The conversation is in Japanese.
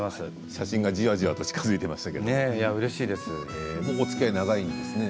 写真がじわじわと近づいていましたけどおつきあい長いんですね。